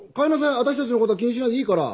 私たちのことは気にしないでいいから。